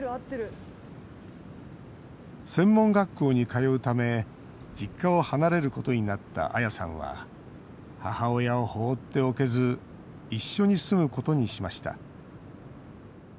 専門学校に通うため実家を離れることになったアヤさんは、母親を放っておけず一緒に住むことにしました。